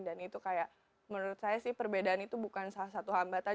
dan itu kayak menurut saya sih perbedaan itu bukan salah satu hambatan